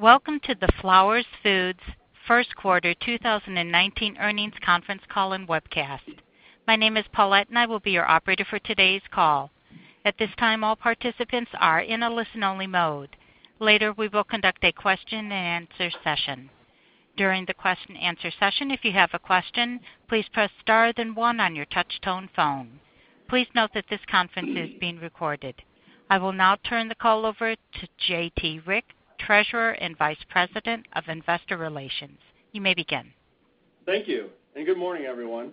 Welcome to the Flowers Foods First Quarter 2019 Earnings Conference Call and Webcast. My name is Paulette, and I will be your operator for today's call. At this time, all participants are in a listen-only mode. Later, we will conduct a question and answer session. During the question and answer session, if you have a question, please press star then one on your touch-tone phone. Please note that this conference is being recorded. I will now turn the call over to J.T. Rieck, Treasurer and Vice President of Investor Relations. You may begin. Thank you. Good morning, everyone.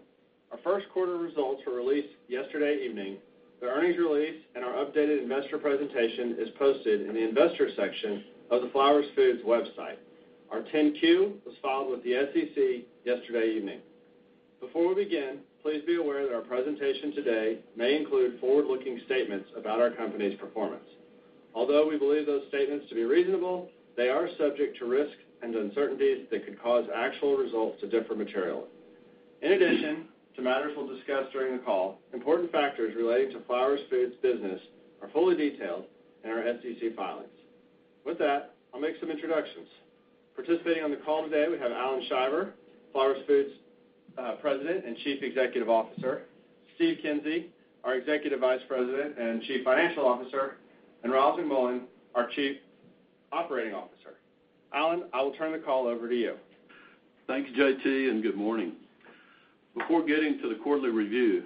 Our first quarter results were released yesterday evening. The earnings release and our updated investor presentation is posted in the Investors section of the Flowers Foods website. Our 10-Q was filed with the SEC yesterday evening. Before we begin, please be aware that our presentation today may include forward-looking statements about our company's performance. Although we believe those statements to be reasonable, they are subject to risks and uncertainties that could cause actual results to differ materially. In addition to matters we'll discuss during the call, important factors relating to Flowers Foods business are fully detailed in our SEC filings. With that, I'll make some introductions. Participating on the call today, we have Allen L. Shiver, Flowers Foods President and Chief Executive Officer, Steve Kinsey, our Executive Vice President and Chief Financial Officer, and Ryals McMullian, our Chief Operating Officer. Allen, I will turn the call over to you. Thank you, J.T. Good morning. Before getting to the quarterly review,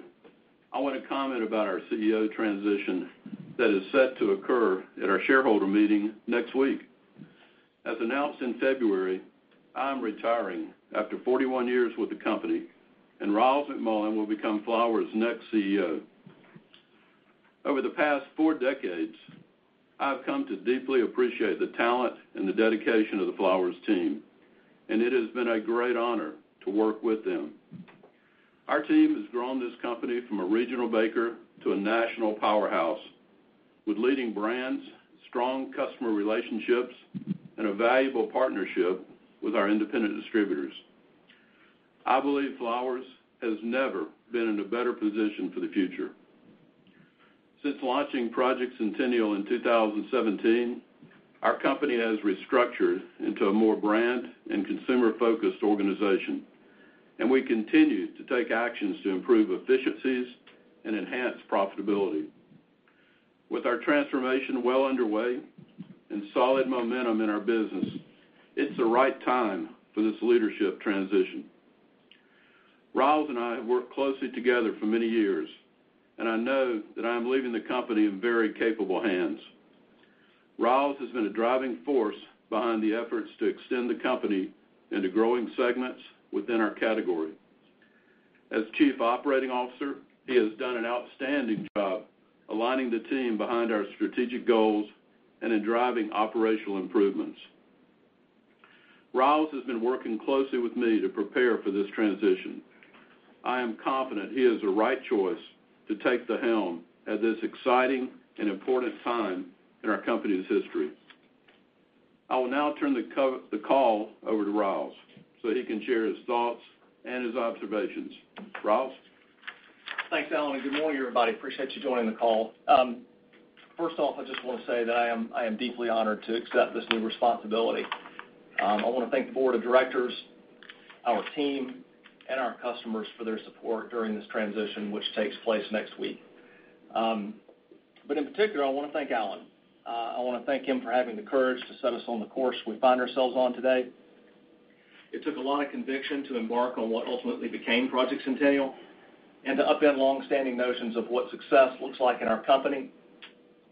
I want to comment about our CEO transition that is set to occur at our shareholder meeting next week. As announced in February, I'm retiring after 41 years with the company, and Ryals McMullian will become Flowers' next CEO. Over the past four decades, I've come to deeply appreciate the talent and the dedication of the Flowers team, and it has been a great honor to work with them. Our team has grown this company from a regional baker to a national powerhouse with leading brands, strong customer relationships, and a valuable partnership with our independent distributors. I believe Flowers has never been in a better position for the future. Since launching Project Centennial in 2017, our company has restructured into a more brand and consumer-focused organization, and we continue to take actions to improve efficiencies and enhance profitability. With our transformation well underway and solid momentum in our business, it's the right time for this leadership transition. Ryals and I have worked closely together for many years, and I know that I'm leaving the company in very capable hands. Ryals has been a driving force behind the efforts to extend the company into growing segments within our category. As Chief Operating Officer, he has done an outstanding job aligning the team behind our strategic goals and in driving operational improvements. Ryals has been working closely with me to prepare for this transition. I am confident he is the right choice to take the helm at this exciting and important time in our company's history. I will now turn the call over to Ryals so that he can share his thoughts and his observations. Ryals? Thanks, Allen, and good morning, everybody. Appreciate you joining the call. First off, I just want to say that I am deeply honored to accept this new responsibility. I want to thank the board of directors, our team, and our customers for their support during this transition, which takes place next week. In particular, I want to thank Allen. I want to thank him for having the courage to set us on the course we find ourselves on today. It took a lot of conviction to embark on what ultimately became Project Centennial and to upend longstanding notions of what success looks like in our company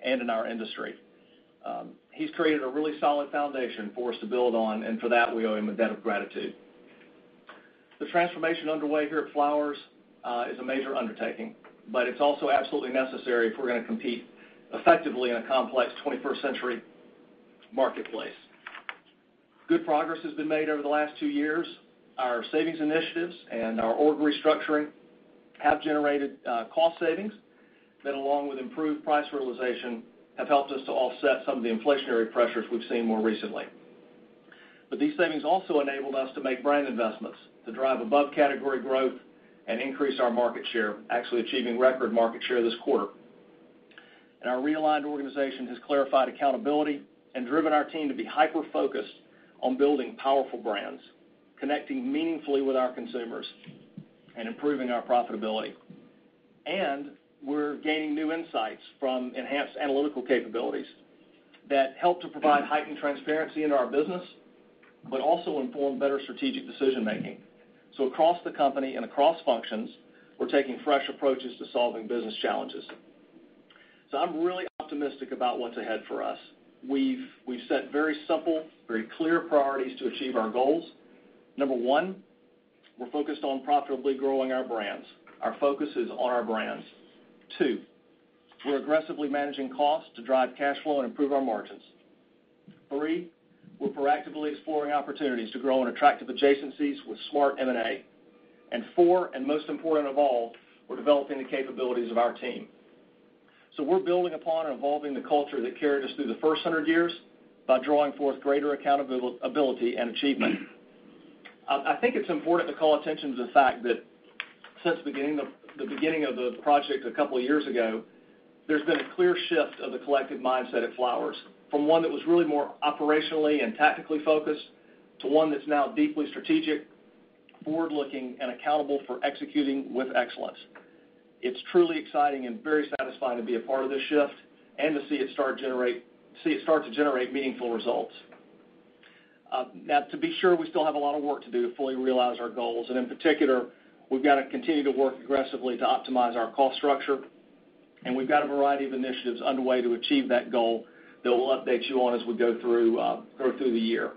and in our industry. He's created a really solid foundation for us to build on, and for that, we owe him a debt of gratitude. The transformation underway here at Flowers is a major undertaking, but it's also absolutely necessary if we're going to compete effectively in a complex 21st century marketplace. Good progress has been made over the last two years. Our savings initiatives and our org restructuring have generated cost savings that, along with improved price realization, have helped us to offset some of the inflationary pressures we've seen more recently. These savings also enabled us to make brand investments to drive above-category growth and increase our market share, actually achieving record market share this quarter. Our realigned organization has clarified accountability and driven our team to be hyper-focused on building powerful brands, connecting meaningfully with our consumers, and improving our profitability. We're gaining new insights from enhanced analytical capabilities that help to provide heightened transparency into our business, but also inform better strategic decision-making. Across the company and across functions, we're taking fresh approaches to solving business challenges. I'm really optimistic about what's ahead for us. We've set very simple, very clear priorities to achieve our goals. One, we're focused on profitably growing our brands. Our focus is on our brands. Two, we're aggressively managing costs to drive cash flow and improve our margins. Three, we're proactively exploring opportunities to grow in attractive adjacencies with smart M&A. Four, and most important of all, we're developing the capabilities of our team. We're building upon and evolving the culture that carried us through the first 100 years by drawing forth greater accountability and achievement. I think it's important to call attention to the fact that since the beginning of the project a couple of years ago, there's been a clear shift of the collective mindset at Flowers, from one that was really more operationally and tactically focused, to one that's now deeply strategic, forward-looking, and accountable for executing with excellence. It's truly exciting and very satisfying to be a part of this shift and to see it start to generate meaningful results. To be sure, we still have a lot of work to do to fully realize our goals, and in particular, we've got to continue to work aggressively to optimize our cost structure, and we've got a variety of initiatives underway to achieve that goal that we'll update you on as we go through the year.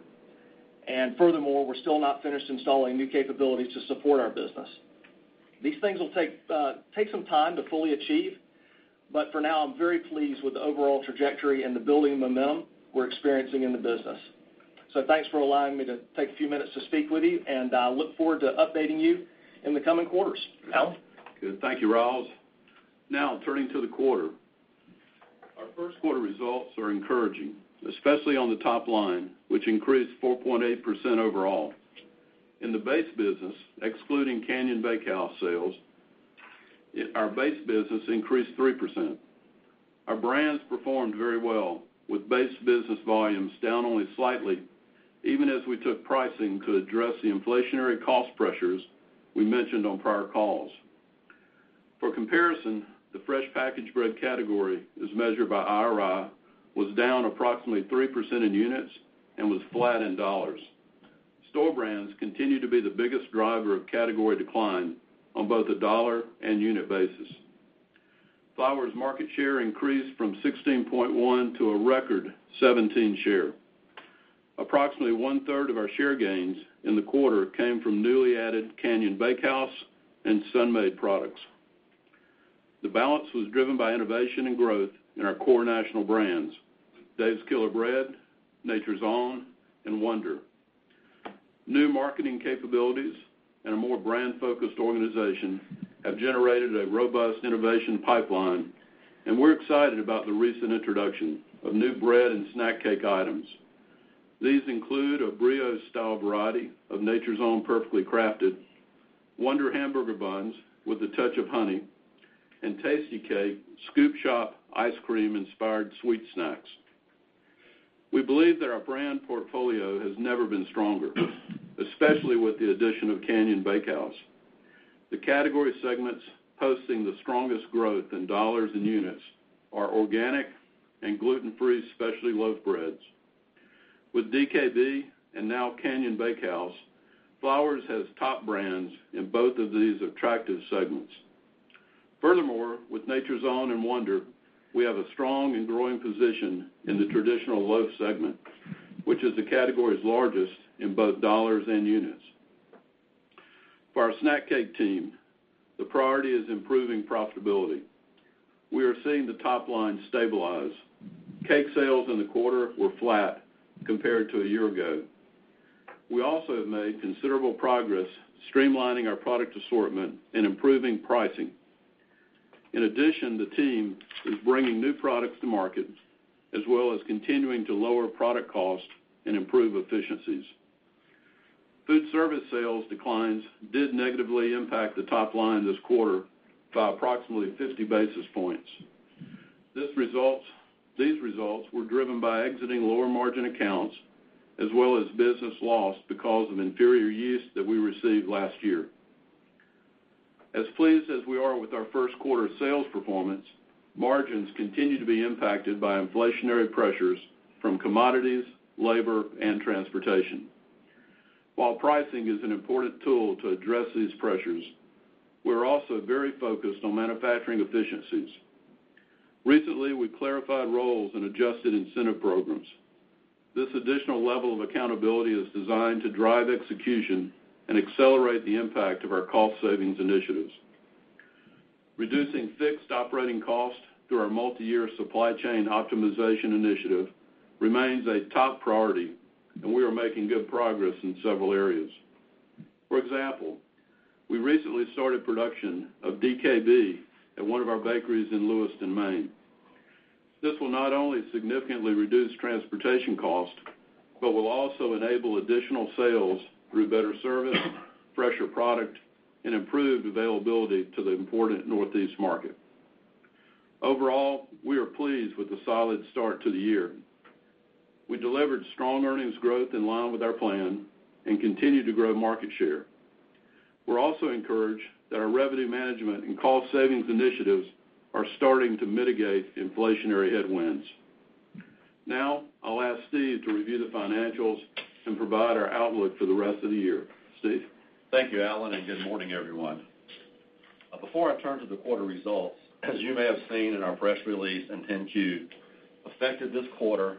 Furthermore, we're still not finished installing new capabilities to support our business. These things will take some time to fully achieve, but for now, I'm very pleased with the overall trajectory and the building momentum we're experiencing in the business. Thanks for allowing me to take a few minutes to speak with you, and I look forward to updating you in the coming quarters. Allen? Good. Thank you, Ryals. Turning to the quarter. Our first quarter results are encouraging, especially on the top line, which increased 4.8% overall. In the base business, excluding Canyon Bakehouse sales, our base business increased 3%. Our brands performed very well, with base business volumes down only slightly, even as we took pricing to address the inflationary cost pressures we mentioned on prior calls. For comparison, the fresh packaged bread category, as measured by IRI, was down approximately 3% in units and was flat in dollars. Store brands continue to be the biggest driver of category decline on both a dollar and unit basis. Flowers' market share increased from 16.1% to a record 17% share. Approximately one-third of our share gains in the quarter came from newly added Canyon Bakehouse and Sun-Maid products. The balance was driven by innovation and growth in our core national brands, Dave's Killer Bread, Nature's Own, and Wonder. New marketing capabilities and a more brand-focused organization have generated a robust innovation pipeline, and we're excited about the recent introduction of new bread and snack cake items. These include a brioche-style variety of Nature's Own Perfectly Crafted, Wonder Hamburger Buns with a Touch of Honey, and Tastykake Scoop Shop ice cream-inspired sweet snacks. We believe that our brand portfolio has never been stronger, especially with the addition of Canyon Bakehouse. The category segments posting the strongest growth in dollars and units are organic and gluten-free specialty loaf breads. With DKB and now Canyon Bakehouse, Flowers has top brands in both of these attractive segments. With Nature's Own and Wonder, we have a strong and growing position in the traditional loaf segment, which is the category's largest in both dollars and units. For our snack cake team, the priority is improving profitability. We are seeing the top line stabilize. Cake sales in the quarter were flat compared to a year ago. We also have made considerable progress streamlining our product assortment and improving pricing. In addition, the team is bringing new products to market, as well as continuing to lower product cost and improve efficiencies. Food service sales declines did negatively impact the top line this quarter by approximately 50 basis points. These results were driven by exiting lower-margin accounts, as well as business loss because of inferior yeast that we received last year. As pleased as we are with our first quarter sales performance, margins continue to be impacted by inflationary pressures from commodities, labor, and transportation. While pricing is an important tool to address these pressures, we're also very focused on manufacturing efficiencies. Recently, we clarified roles and adjusted incentive programs. This additional level of accountability is designed to drive execution and accelerate the impact of our cost savings initiatives. Reducing fixed operating costs through our multi-year supply chain optimization initiative remains a top priority, and we are making good progress in several areas. For example, we recently started production of DKB at one of our bakeries in Lewiston, Maine. This will not only significantly reduce transportation cost, but will also enable additional sales through better service, fresher product, and improved availability to the important Northeast market. Overall, we are pleased with the solid start to the year. We delivered strong earnings growth in line with our plan and continue to grow market share. We're also encouraged that our revenue management and cost savings initiatives are starting to mitigate inflationary headwinds. I'll ask Steve to review the financials and provide our outlook for the rest of the year. Steve? Thank you, Allen, and good morning, everyone. Before I turn to the quarter results, as you may have seen in our press release in 10-Q, effective this quarter,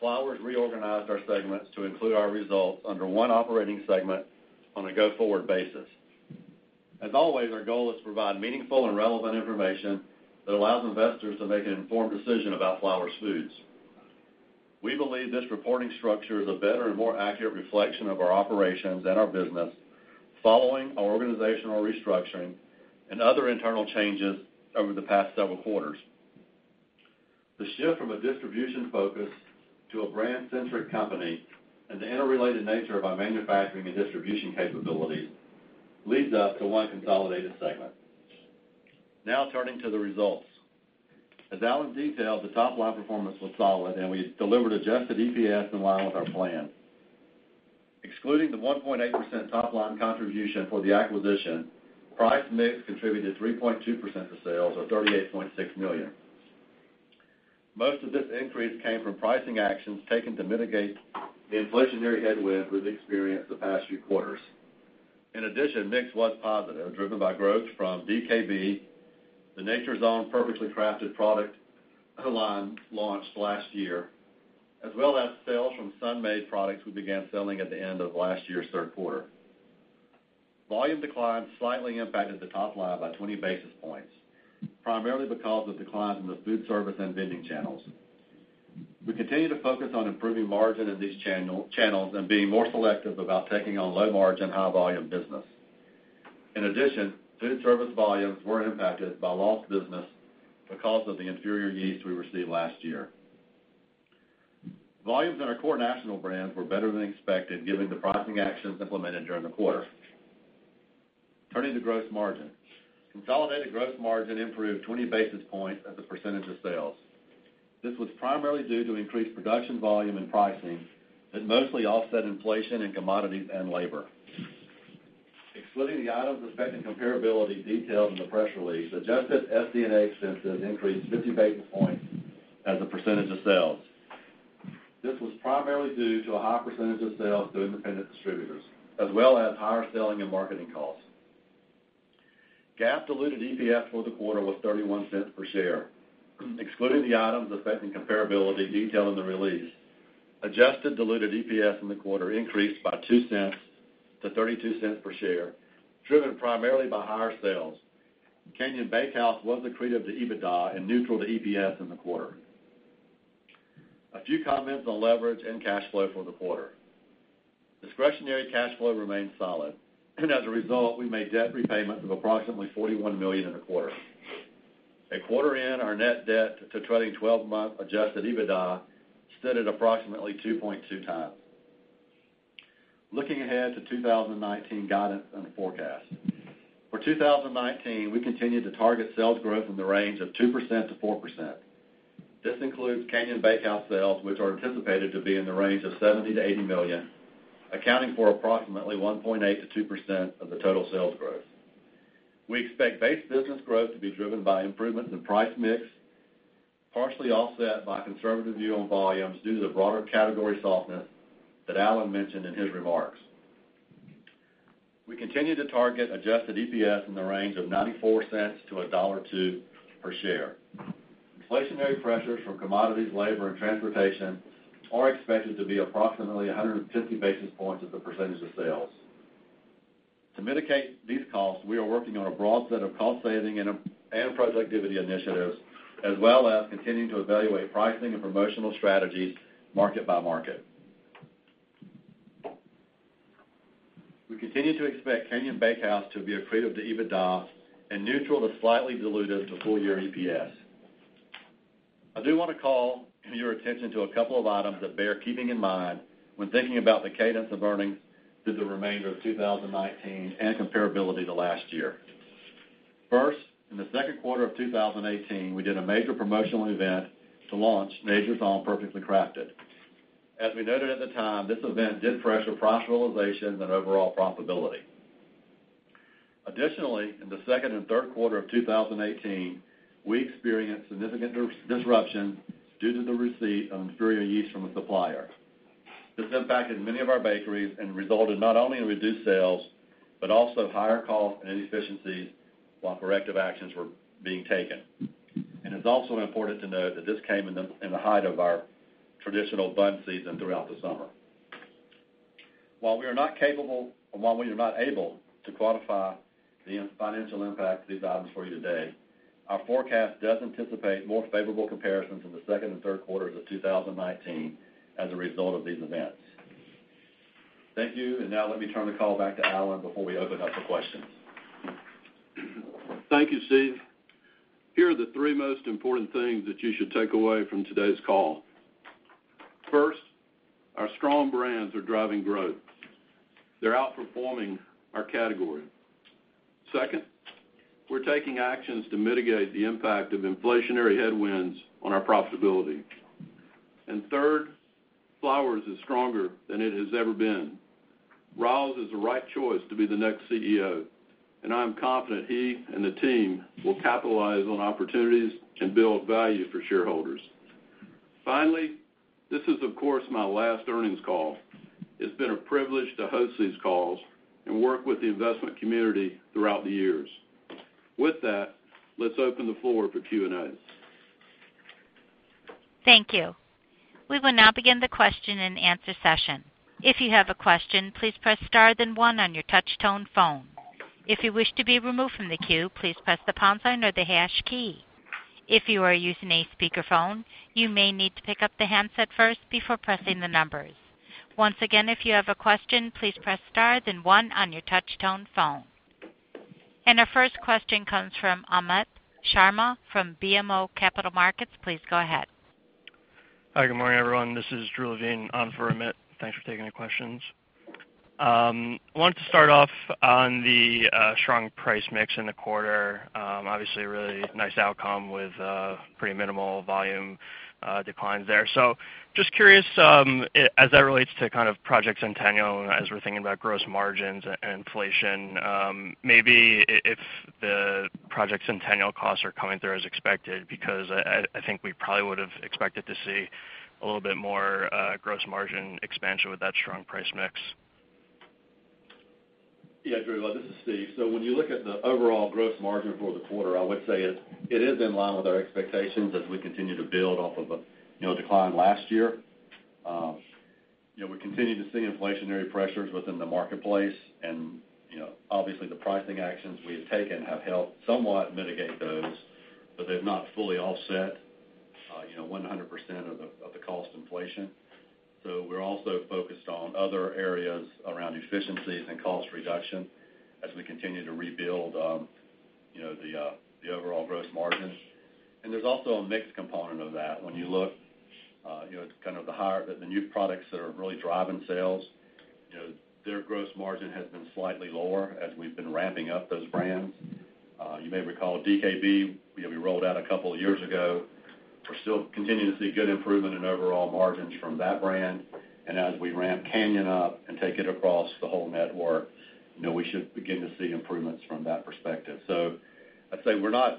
Flowers reorganized our segments to include our results under one operating segment on a go-forward basis. As always, our goal is to provide meaningful and relevant information that allows investors to make an informed decision about Flowers Foods. We believe this reporting structure is a better and more accurate reflection of our operations and our business following our organizational restructuring and other internal changes over the past several quarters. The shift from a distribution focus to a brand-centric company and the interrelated nature of our manufacturing and distribution capabilities leads us to one consolidated segment. Turning to the results. As Allen detailed, the top-line performance was solid, and we delivered adjusted EPS in line with our plan. Excluding the 1.8% top-line contribution for the acquisition, price mix contributed 3.2% of sales of $38.6 million. Most of this increase came from pricing actions taken to mitigate the inflationary headwind we've experienced the past few quarters. In addition, mix was positive, driven by growth from DKB, the Nature's Own Perfectly Crafted product line launched last year, as well as sales from Sun-Maid products we began selling at the end of last year's third quarter. Volume decline slightly impacted the top line by 20 basis points, primarily because of declines in the food service and vending channels. We continue to focus on improving margin in these channels and being more selective about taking on low margin, high volume business. In addition, food service volumes were impacted by lost business because of the inferior yeast we received last year. Volumes in our core national brands were better than expected, given the pricing actions implemented during the quarter. Turning to gross margin. Consolidated gross margin improved 20 basis points as a percentage of sales. This was primarily due to increased production volume and pricing that mostly offset inflation in commodities and labor. Excluding the items affecting comparability detailed in the press release, adjusted SG&A expenses increased 50 basis points as a percentage of sales. This was primarily due to a high percentage of sales to independent distributors, as well as higher selling and marketing costs. GAAP diluted EPS for the quarter was $0.31 per share. Excluding the items affecting comparability detailed in the release, adjusted diluted EPS in the quarter increased by $0.02 to $0.32 per share, driven primarily by higher sales. Canyon Bakehouse was accretive to EBITDA and neutral to EPS in the quarter. A few comments on leverage and cash flow for the quarter. Discretionary cash flow remains solid, and as a result, we made debt repayments of approximately $41 million in the quarter. A quarter in, our net debt to trailing 12-month adjusted EBITDA stood at approximately 2.2 times. Looking ahead to 2019 guidance and forecast. For 2019, we continue to target sales growth in the range of 2%-4%. This includes Canyon Bakehouse sales, which are anticipated to be in the range of $70 million-$80 million, accounting for approximately 1.8%-2% of the total sales growth. We expect base business growth to be driven by improvements in price mix, partially offset by a conservative view on volumes due to the broader category softness that Allen mentioned in his remarks. We continue to target adjusted EPS in the range of $0.94-$1.02 per share. Inflationary pressures from commodities, labor, and transportation are expected to be approximately 150 basis points as a percentage of sales. To mitigate these costs, we are working on a broad set of cost saving and productivity initiatives, as well as continuing to evaluate pricing and promotional strategies market by market. We continue to expect Canyon Bakehouse to be accretive to EBITDA and neutral to slightly dilutive to full year EPS. I do want to call your attention to a couple of items that bear keeping in mind when thinking about the cadence of earnings through the remainder of 2019 and comparability to last year. First, in the second quarter of 2018, we did a major promotional event to launch Nature's Own Perfectly Crafted. As we noted at the time, this event did pressure price realizations and overall profitability. Additionally, in the second and third quarter of 2018, we experienced significant disruption due to the receipt of inferior yeast from a supplier. This impacted many of our bakeries and resulted not only in reduced sales, but also higher costs and inefficiencies while corrective actions were being taken. It's also important to note that this came in the height of our traditional bun season throughout the summer. While we are not able to quantify the financial impact of these items for you today, our forecast does anticipate more favorable comparisons in the second and third quarters of 2019 as a result of these events. Thank you. Now let me turn the call back to Allen before we open up for questions. Thank you, Steve. Here are the three most important things that you should take away from today's call. First, our strong brands are driving growth. They're outperforming our category. Second, we're taking actions to mitigate the impact of inflationary headwinds on our profitability. Third, Flowers is stronger than it has ever been. Ryals is the right choice to be the next CEO, and I am confident he and the team will capitalize on opportunities and build value for shareholders. Finally, this is of course my last earnings call. It's been a privilege to host these calls and work with the investment community throughout the years. With that, let's open the floor for Q&As. Thank you. We will now begin the question and answer session. If you have a question, please press star then one on your touch tone phone. If you wish to be removed from the queue, please press the pound sign or the hash key. If you are using a speakerphone, you may need to pick up the handset first before pressing the numbers. Once again, if you have a question, please press star then one on your touch tone phone. Our first question comes from Amit Sharma from BMO Capital Markets. Please go ahead. Hi, good morning, everyone. This is Drew Levine on for Amit. Thanks for taking the questions. I wanted to start off on the strong price mix in the quarter. Obviously, a really nice outcome with pretty minimal volume declines there. Just curious, as that relates to Project Centennial, as we're thinking about gross margins and inflation, maybe if the Project Centennial costs are coming through as expected, because I think we probably would've expected to see a little bit more gross margin expansion with that strong price mix. Yeah, Drew, this is Steve. When you look at the overall gross margin for the quarter, I would say it is in line with our expectations as we continue to build off of a decline last year. We continue to see inflationary pressures within the marketplace, obviously the pricing actions we have taken have helped somewhat mitigate those, but they've not fully offset 100% of the cost inflation. We're also focused on other areas around efficiencies and cost reduction as we continue to rebuild the overall gross margin. There's also a mix component of that. When you look at the new products that are really driving sales, their gross margin has been slightly lower as we've been ramping up those brands. You may recall DKB we rolled out a couple of years ago. We're still continuing to see good improvement in overall margins from that brand. As we ramp Canyon up and take it across the whole network, we should begin to see improvements from that perspective. I'd say we're not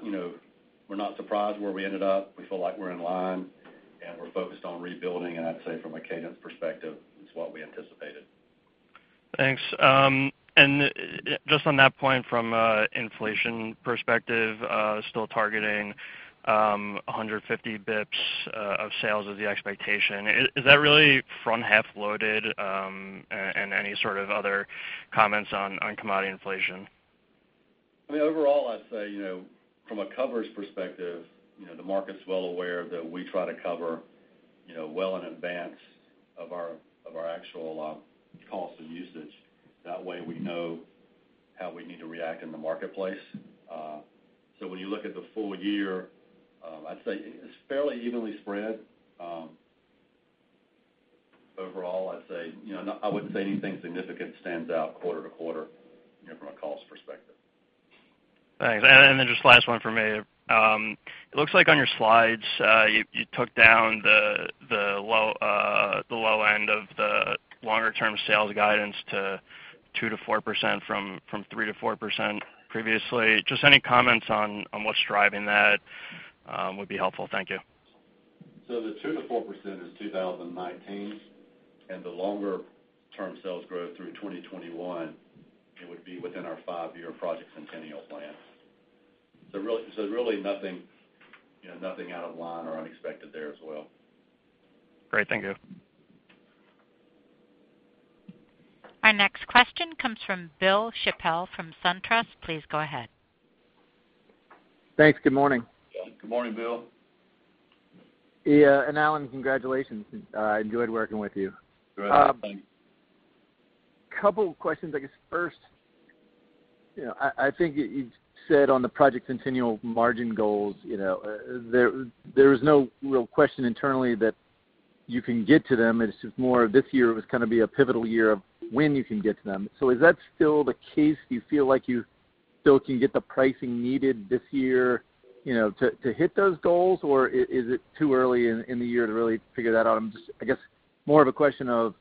surprised where we ended up. We feel like we're in line, we're focused on rebuilding, I'd say from a cadence perspective, it's what we anticipated. Thanks. Just on that point from an inflation perspective, still targeting 150 basis points of sales is the expectation. Is that really front-half loaded? Any sort of other comments on commodity inflation? Overall, I'd say from a coverage perspective, the market's well aware that we try to cover well in advance of our actual cost of usage. That way we know how we need to react in the marketplace. When you look at the full year, I'd say it's fairly evenly spread. Overall, I'd say I wouldn't say anything significant stands out quarter to quarter from a cost perspective. Thanks. Just last one for me. It looks like on your slides, you took down the low end of the longer-term sales guidance to 2%-4% from 3%-4% previously. Just any comments on what's driving that would be helpful. Thank you. The 2%-4% is 2019, and the longer-term sales growth through 2021, it would be within our five-year Project Centennial plan. Really nothing out of line or unexpected there as well. Great. Thank you. Our next question comes from William Chappell from SunTrust. Please go ahead. Thanks. Good morning. Good morning, Bill. Yeah, Allen, congratulations. I enjoyed working with you. Great. Thanks. A couple questions. I guess first, I think you said on the Project Centennial margin goals there is no real question internally that you can get to them. It's just more this year was going to be a pivotal year of when you can get to them. Is that still the case? Do you feel like you still can get the pricing needed this year to hit those goals, or is it too early in the year to really figure that out? I guess more of a question of,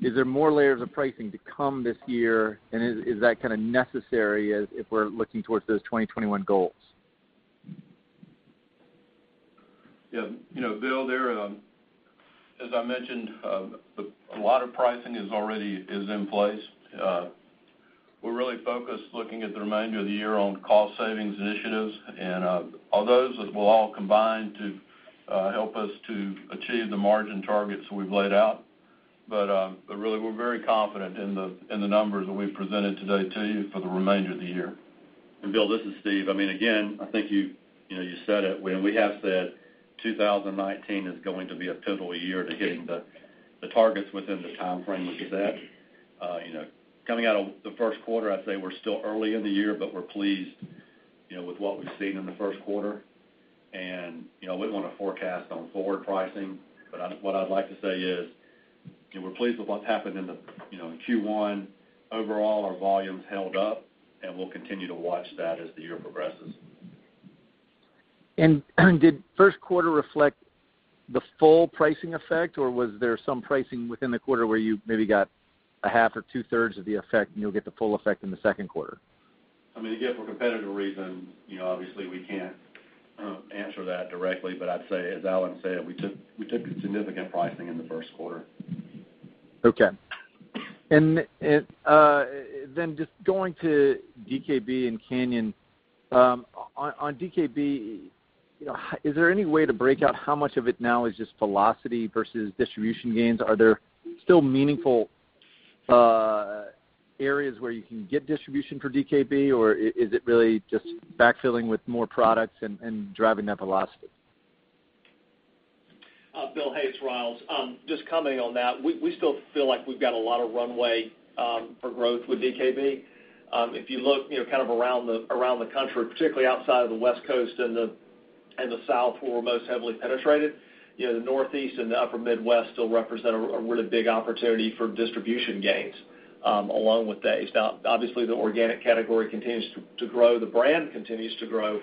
is there more layers of pricing to come this year, and is that kind of necessary as if we're looking towards those 2021 goals? Bill, as I mentioned, a lot of pricing is already in place. We're really focused looking at the remainder of the year on cost savings initiatives, and all those will all combine to help us to achieve the margin targets that we've laid out. Really, we're very confident in the numbers that we've presented today to you for the remainder of the year. Bill, this is Steve. Again, I think you said it. We have said 2019 is going to be a pivotal year to hitting the targets within the timeframe we've set. Coming out of the first quarter, I'd say we're still early in the year, but we're pleased with what we've seen in the first quarter. We don't want to forecast on forward pricing, but what I'd like to say is we're pleased with what's happened in Q1. Overall, our volumes held up, and we'll continue to watch that as the year progresses. Did first quarter reflect the full pricing effect, or was there some pricing within the quarter where you maybe got a half or two-thirds of the effect and you'll get the full effect in the second quarter? For competitive reasons obviously we can't answer that directly, but I'd say, as Allen said, we took significant pricing in the first quarter. Just going to DKB and Canyon. On DKB, is there any way to break out how much of it now is just velocity versus distribution gains? Are there still meaningful areas where you can get distribution for DKB, or is it really just backfilling with more products and driving that velocity? Bill hey, it's, Ryals. Coming on that, we still feel like we've got a lot of runway for growth with DKB. If you look around the country, particularly outside of the West Coast and the South, where we're most heavily penetrated, the Northeast and the Upper Midwest still represent a really big opportunity for distribution gains along with that. Obviously, the organic category continues to grow, the brand continues to grow,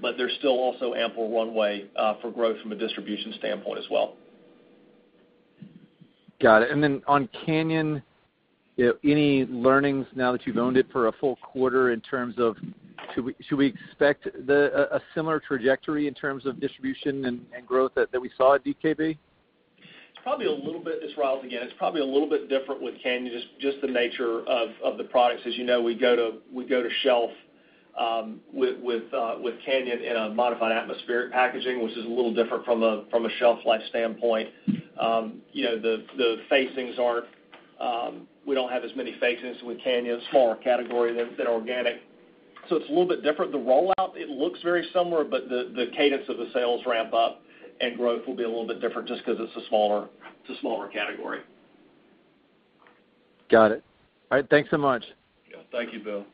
but there's still also ample runway for growth from a distribution standpoint as well. Got it. Then on Canyon, any learnings now that you've owned it for a full quarter in terms of should we expect a similar trajectory in terms of distribution and growth that we saw at DKB? This is Ryals again. It's probably a little bit different with Canyon, just the nature of the products. As you know, we go to shelf with Canyon in a modified atmosphere packaging, which is a little different from a shelf life standpoint. We don't have as many facings with Canyon, a smaller category than organic. It's a little bit different. The rollout, it looks very similar, but the cadence of the sales ramp-up and growth will be a little bit different just because it's a smaller category. Got it. All right, thanks so much. Yeah. Thank you, Bill.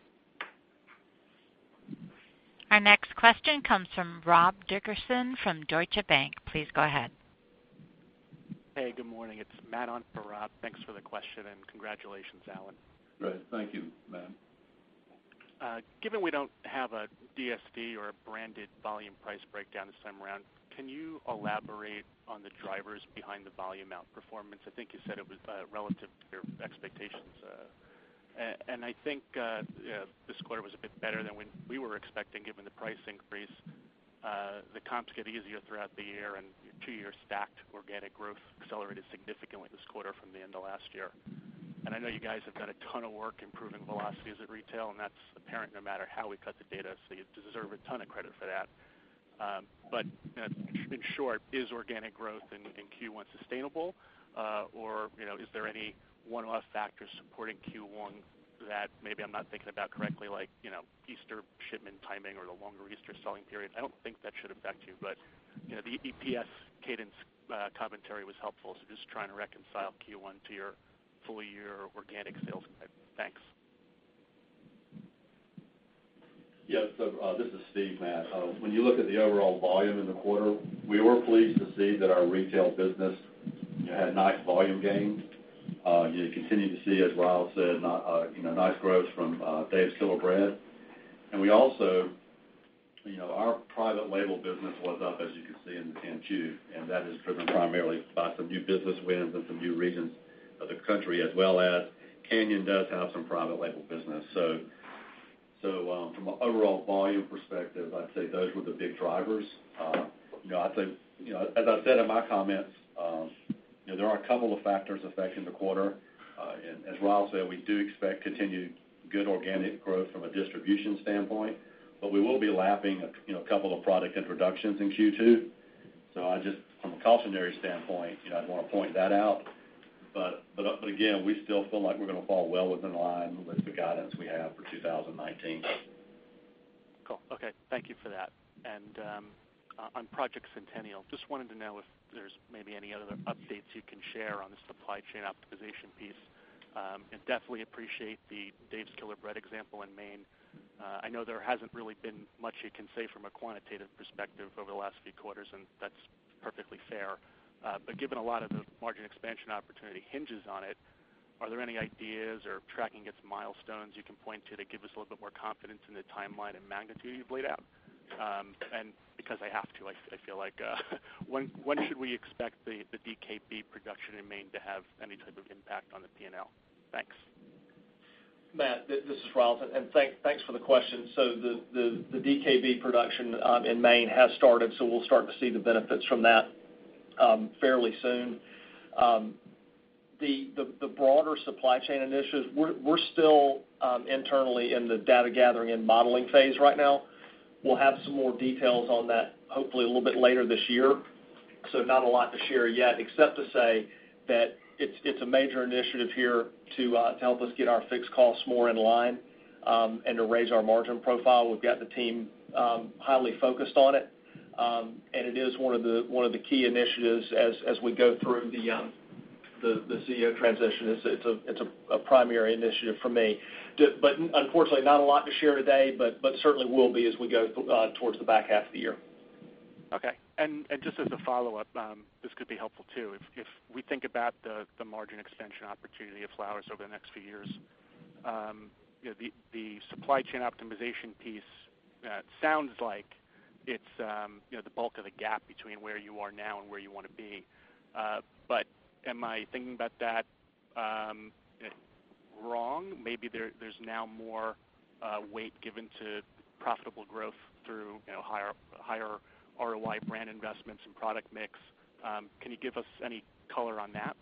Our next question comes from Robert Dickerson from Deutsche Bank. Please go ahead. Hey, good morning. It's Matt on for Rob. Thanks for the question and congratulations, Allen. Great. Thank you, Matt. Given we don't have a DSD or a branded volume price breakdown this time around, can you elaborate on the drivers behind the volume outperformance? I think you said it was relative to your expectations. I think this quarter was a bit better than we were expecting given the price increase. The comps get easier throughout the year two-year stacked organic growth accelerated significantly this quarter from the end of last year. I know you guys have got a ton of work improving velocities at retail, and that's apparent no matter how we cut the data, so you deserve a ton of credit for that. In short, is organic growth in Q1 sustainable? Is there any one-off factor supporting Q1 that maybe I'm not thinking about correctly, like Easter shipment timing or the longer Easter selling period? I don't think that should affect you, but the EPS cadence commentary was helpful. Just trying to reconcile Q1 to your full-year organic sales guide. Thanks. Yes. This is Steve, Matt. When you look at the overall volume in the quarter, we were pleased to see that our retail business had nice volume gains. You continue to see, as Ryals said, nice growth from Dave's Killer Bread. Our private label business was up, as you can see in Q2, and that is driven primarily by some new business wins and some new regions of the country, as well as Canyon does have some private label business. From an overall volume perspective, I'd say those were the big drivers. As I said in my comments, there are a couple of factors affecting the quarter. As Ryals said, we do expect continued good organic growth from a distribution standpoint, but we will be lapping a couple of product introductions in Q2. Just from a cautionary standpoint, I'd want to point that out. Again, we still feel like we're going to fall well within line with the guidance we have for 2019. Cool. Okay. Thank you for that. On Project Centennial, just wanted to know if there's maybe any other updates you can share on the supply chain optimization piece. Definitely appreciate the Dave's Killer Bread example in Maine. I know there hasn't really been much you can say from a quantitative perspective over the last few quarters, that's perfectly fair. Given a lot of the margin expansion opportunity hinges on it, are there any ideas or tracking its milestones you can point to that give us a little bit more confidence in the timeline and magnitude you've laid out? Because I have to, I feel like when should we expect the DKB production in Maine to have any type of impact on the P&L? Thanks. Matt, this is Ryals. Thanks for the question. The DKB production in Maine has started, so we'll start to see the benefits from that fairly soon. The broader supply chain initiatives, we're still internally in the data gathering and modeling phase right now. We'll have some more details on that hopefully a little bit later this year. Not a lot to share yet, except to say that it's a major initiative here to help us get our fixed costs more in line and to raise our margin profile. We've got the team highly focused on it. It is one of the key initiatives as we go through the CEO transition. It's a primary initiative for me. Unfortunately, not a lot to share today, but certainly will be as we go towards the back half of the year. Okay. Just as a follow-up, this could be helpful too. If we think about the margin expansion opportunity of Flowers over the next few years, the supply chain optimization piece sounds like it's the bulk of the gap between where you are now and where you want to be. Am I thinking about that wrong? Maybe there's now more weight given to profitable growth through higher ROI brand investments and product mix. Can you give us any color on that?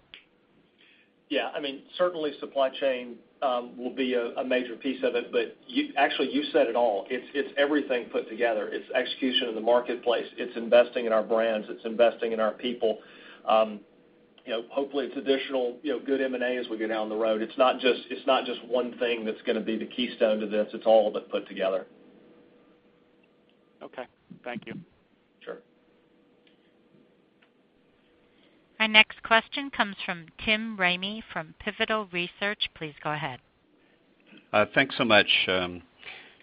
Yeah. Certainly supply chain will be a major piece of it, actually you said it all. It's everything put together. It's execution in the marketplace. It's investing in our brands. It's investing in our people. Hopefully, it's additional good M&A as we go down the road. It's not just one thing that's going to be the keystone to this. It's all of it put together. Okay. Thank you. Sure. Our next question comes from Tim Ramey from Pivotal Research. Please go ahead. Thanks so much.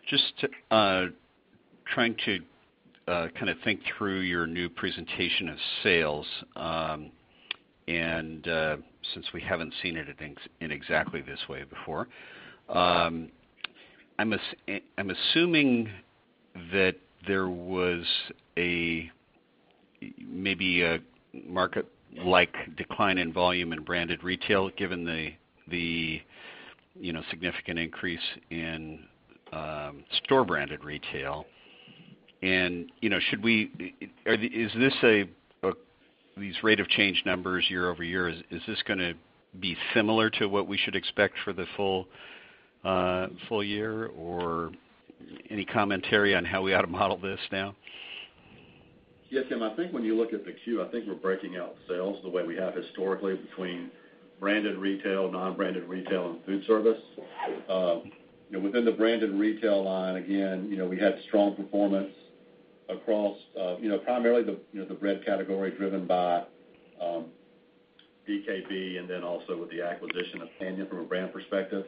Just trying to think through your new presentation of sales, since we haven't seen it in exactly this way before. I'm assuming that there was maybe a market-like decline in volume in branded retail, given the significant increase in store-branded retail. These rate of change numbers year-over-year, is this going to be similar to what we should expect for the full year, or any commentary on how we ought to model this now? Yes, Tim, I think when you look at the Q, I think we're breaking out sales the way we have historically between branded retail, non-branded retail, and food service. Within the branded retail line, again, we had strong performance across primarily the bread category driven by DKB and then also with the acquisition of Canyon from a brand perspective.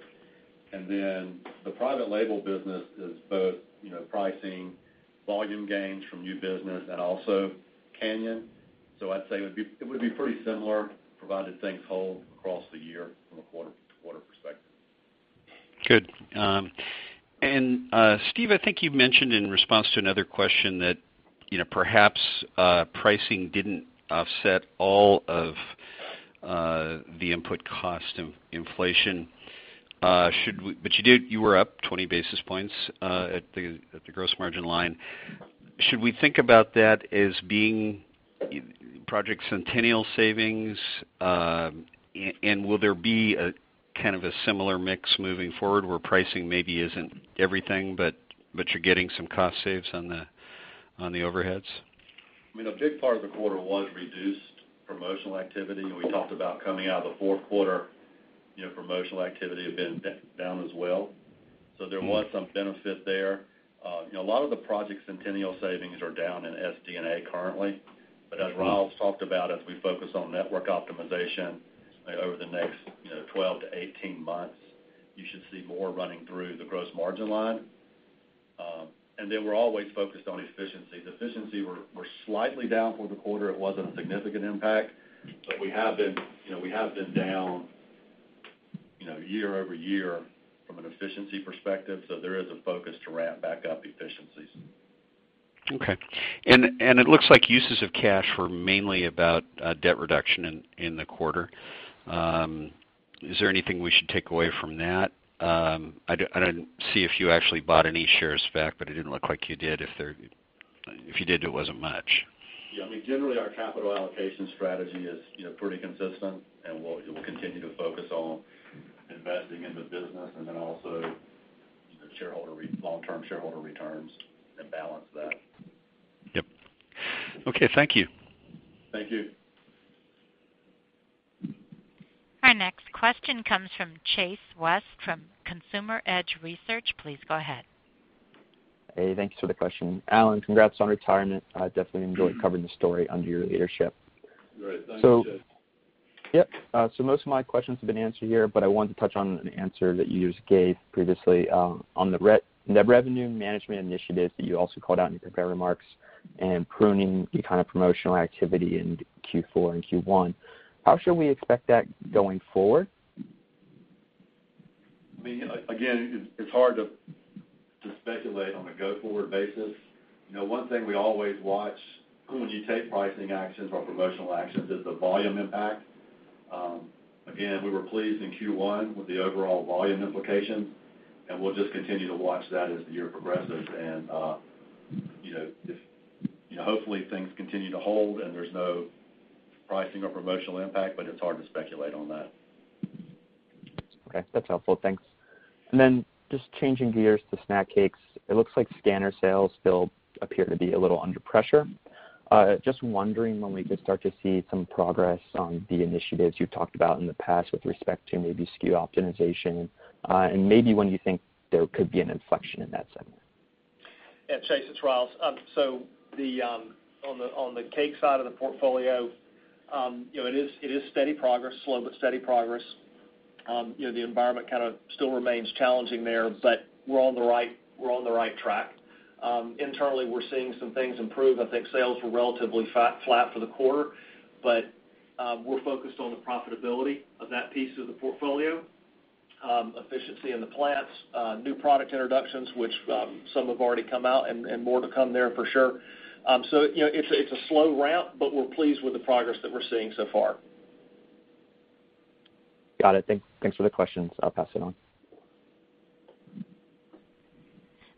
The private label business is both pricing volume gains from new business and also Canyon. I'd say it would be pretty similar, provided things hold across the year from a quarter-to-quarter perspective. Good. Steve, I think you mentioned in response to another question that perhaps pricing didn't offset all of the input cost inflation. You were up 20 basis points at the gross margin line. Should we think about that as being Project Centennial savings? Will there be a similar mix moving forward where pricing maybe isn't everything, but you're getting some cost saves on the overheads? A big part of the quarter was reduced promotional activity. We talked about coming out of the fourth quarter, promotional activity had been down as well. There was some benefit there. A lot of the Project Centennial savings are down in SG&A currently. As Ryals talked about, as we focus on network optimization over the next 12 to 18 months, you should see more running through the gross margin line. We're always focused on efficiency. Efficiency, we're slightly down for the quarter. It wasn't a significant impact. We have been down year-over-year from an efficiency perspective. There is a focus to ramp back up efficiencies. Okay. It looks like uses of cash were mainly about debt reduction in the quarter. Is there anything we should take away from that? I didn't see if you actually bought any shares back, but it didn't look like you did. If you did, it wasn't much. Yeah. Generally, our capital allocation strategy is pretty consistent, and we'll continue to focus on investing in the business and also long-term shareholder returns and balance that. Yep. Okay, thank you. Thank you. Our next question comes from Chase West from Consumer Edge Research. Please go ahead. Hey, thanks for the question. Allen, congrats on retirement. I definitely enjoyed covering the story under your leadership. Right. Thanks, Chase. Yep. Most of my questions have been answered here, but I wanted to touch on an answer that you just gave previously on the net revenue management initiatives that you also called out in your prepared remarks and pruning the kind of promotional activity in Q4 and Q1. How should we expect that going forward? It's hard to speculate on a go-forward basis. One thing we always watch when you take pricing actions or promotional actions is the volume impact. We were pleased in Q1 with the overall volume implications. We'll just continue to watch that as the year progresses and hopefully things continue to hold and there's no pricing or promotional impact. It's hard to speculate on that. Okay, that's helpful. Thanks. Just changing gears to snack cakes, it looks like scanner sales still appear to be a little under pressure. Just wondering when we can start to see some progress on the initiatives you've talked about in the past with respect to maybe SKU optimization, and maybe when you think there could be an inflection in that segment. Yeah, Chase, it's Ryals. On the cake side of the portfolio, it is steady progress, slow but steady progress. The environment kind of still remains challenging there. We're on the right track. Internally, we're seeing some things improve. I think sales were relatively flat for the quarter. We're focused on the profitability of that piece of the portfolio. Efficiency in the plants, new product introductions, which some have already come out and more to come there for sure. It's a slow ramp, but we're pleased with the progress that we're seeing so far. Got it. Thanks for the questions. I'll pass it on.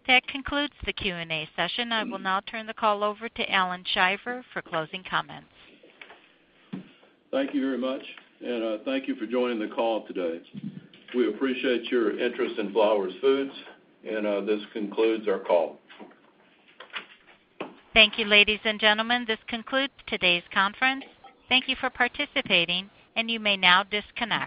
That concludes the Q&A session. I will now turn the call over to Allen Shiver for closing comments. Thank you very much. Thank you for joining the call today. We appreciate your interest in Flowers Foods. This concludes our call. Thank you, ladies and gentlemen. This concludes today's conference. Thank you for participating. You may now disconnect.